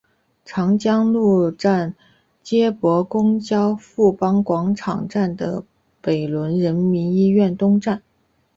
长江路站接驳公交富邦广场站和北仑人民医院东站。